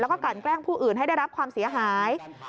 แล้วก็กันแกล้งผู้อื่นให้ได้รับความเสียหาย